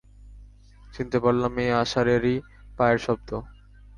চিনতে পারলাম, এ আশারেরই পায়ের শব্দ।